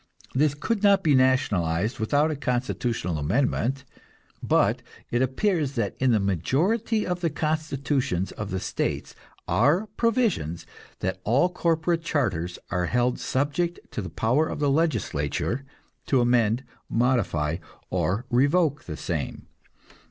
These could not be nationalized without a constitutional amendment, but it appears that in the majority of the constitutions of the states are provisions that all corporate charters are held subject to the power of the legislature to amend, modify, or revoke the same.